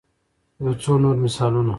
يو څو نور مثالونه